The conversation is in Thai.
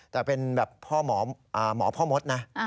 แต่เป็นแบบพ่อหมอพ่อมดนะ